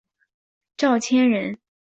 赵谦人。